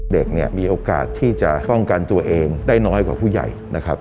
เด็กเนี่ยมีโอกาสที่จะป้องกันตัวเองได้น้อยกว่าผู้ใหญ่นะครับ